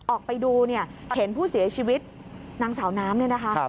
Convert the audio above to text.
ออกไปดูเนี่ยเห็นผู้เสียชีวิตนางสาวน้ำเนี่ยนะคะ